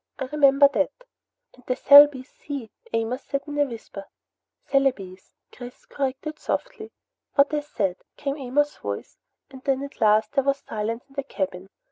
"I remember that." "And the Cell Bees Sea," Amos said in a whisper. "Celebes," Chris corrected softly. "What I said," came Amos's voice, and then at last there was silence in the cabin.